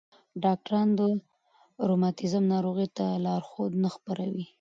ډاکټران د روماتیزم ناروغۍ ته لارښود نه خپروي.